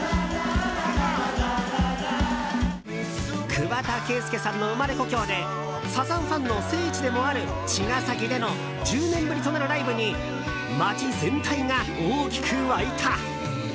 桑田佳祐さんの生まれ故郷でサザンファンの聖地でもある茅ヶ崎での１０年ぶりとなるライブに街全体が大きく沸いた。